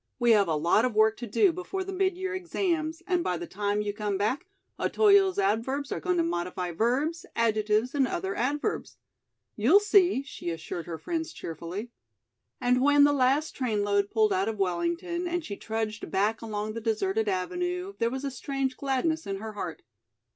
"We have a lot of work to do before the mid year exams. and by the time you come back, Otoyo's adverbs are going to modify verbs, adjectives and other adverbs. You'll see," she assured her friends cheerfully. And when the last train load pulled out of Wellington, and she trudged back along the deserted avenue, there was a strange gladness in her heart.